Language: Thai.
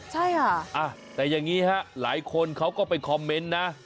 ใช่ค่ะแต่อย่างนี้ฮะหลายคนเขาก็ไปคอมเมนต์นะ